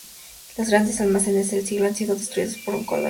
Los Grandes almacenes El siglo han sido destruidos por un colosal incendio.